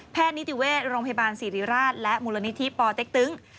นิติเวชโรงพยาบาลศิริราชและมูลนิธิปอเต็กตึง